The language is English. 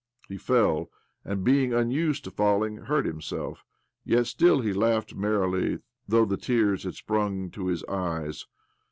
He fell, and, being unused to falling, hurt himself ; yet still he laughed merrily, though the tears 152 OBLOMOV had sptung to his eyes.